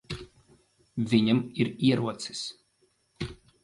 Viņam ir ierocis.